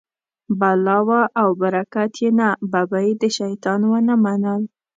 بلا وه او برکت یې نه، ببۍ د شیطان و نه منل.